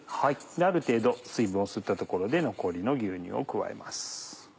ある程度水分を吸ったところで残りの牛乳を加えます。